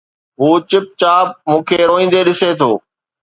هو چپ چاپ مون کي روئيندي ڏسي ٿو